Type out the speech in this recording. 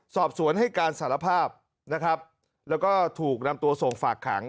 สอบสวนให้การสารภาพนะครับแล้วก็ถูกนำตัวส่งฝากขัง